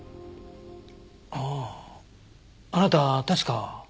あああなた確か。